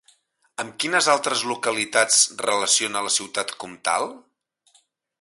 Amb quines altres localitats relaciona la ciutat comtal?